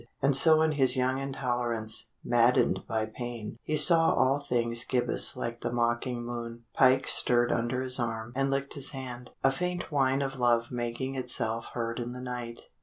And so in his young intolerance, maddened by pain, he saw all things gibbous like the mocking moon. Pike stirred under his arm and licked his hand, a faint whine of love making itself heard in the night.